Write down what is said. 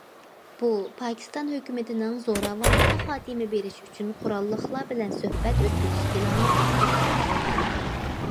بۇ پاكىستان ھۆكۈمىتىنىڭ زوراۋانلىققا خاتىمە بېرىش ئۈچۈن قوراللىقلار بىلەن سۆھبەت ئۆتكۈزۈش پىلانىغا توسالغۇ بولدى.